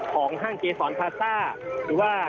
ของห้างเกษรภาษาหรือว่า